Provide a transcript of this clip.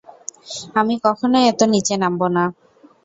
আমি কখনই এত নিচে নামব না।